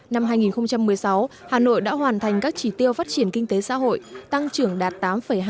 năm hai nghìn một mươi sáu hà nội đã hoàn thành các chỉ tiêu phát triển kinh tế xã hội tăng trưởng đạt tám hai